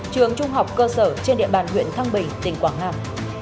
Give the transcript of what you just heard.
trường trung học cơ sở trên địa bàn huyện thăng bình tỉnh quảng nam